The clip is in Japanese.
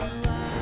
あ！？